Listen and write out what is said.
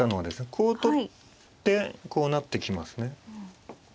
こう取ってこう成ってきますね。